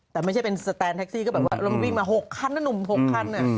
แต่ไม่ใช่เป็นสแตนแท็กซี่ก็แบบว่าเราวิ่งมา๖คันนะหนุ่ม๖คัน